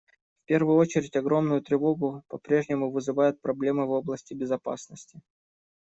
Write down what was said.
В первую очередь огромную тревогу попрежнему вызывают проблемы в области безопасности.